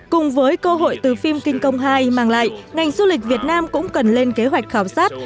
cùng với cơ hội từ phim kinh công hai mang lại ngành du lịch việt nam cũng cần lên kế hoạch khảo sát